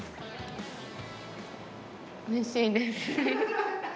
おいしいです。